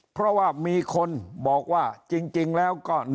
เพราะว่ามีคนบอกว่าจริงแล้วก็